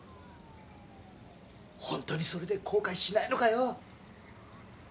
ほんとにそれで後悔しないのかよ